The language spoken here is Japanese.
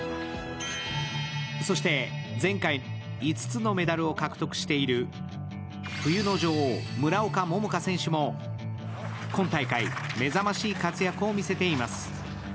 そして前回、５つのメダルを獲得している冬の女王・村岡桃佳選手も今大会、目覚ましい活躍を見せています。